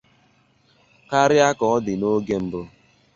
karịa ka ọ dị n'oge mbụ